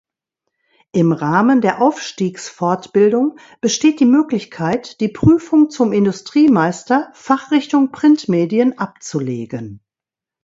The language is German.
Im Rahmen der Aufstiegsfortbildung besteht die Möglichkeit, die Prüfung zum Industriemeister Fachrichtung Printmedien abzulegen.